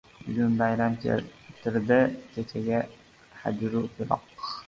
Bugun bayram keltirdi kechagi hajru firoq.